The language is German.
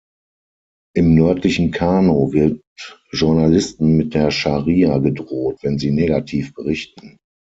Im nördlichen Kano wird Journalisten mit der Scharia gedroht, wenn sie negativ berichten.